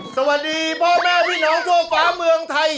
สวัสดีพ่อแม่พี่น้องทั่วฟ้าเมืองไทย